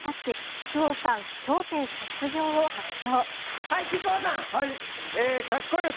木久扇さん、『笑点』卒業を発表。